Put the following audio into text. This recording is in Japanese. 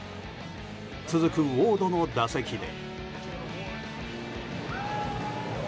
続くウォードの打席で。